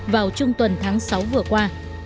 vào trung tuần tháng sáu vừa qua